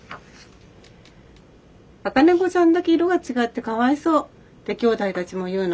あかねこちゃんだけいろがちがってかわいそうってきょうだいたちもいうの。